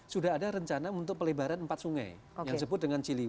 sudah ada rencana untuk pelebaran empat sungai